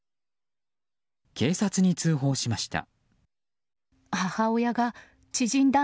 警察に通報しました。